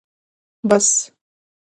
بس